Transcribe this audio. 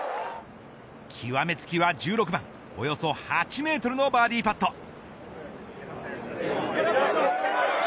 極めつけは１６番およそ８メートルのバーディーパット。